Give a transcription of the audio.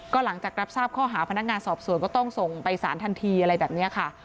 ก็หลังจากรับทราบข้อหาพนักงานสอบสวนก็ต้องส่งไปสารทันทีอะไรแบบนี้ค่ะ